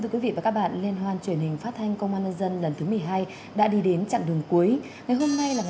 với kỳ liên hoan lần thứ một mươi một cách đây